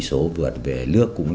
cơ sở nó cũng ng